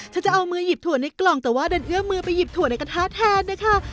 จะเอามือหยิบถั่วในกล่องแต่ว่าดันเอื้อมือไปหยิบถั่วในกระทะแทนนะคะ